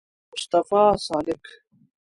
مصطفی سالک